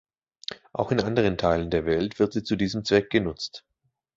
Auch in anderen Teilen der Welt wird sie zu diesem Zweck genutzt.